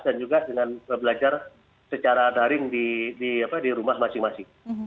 dan juga dengan belajar secara daring di rumah masing masing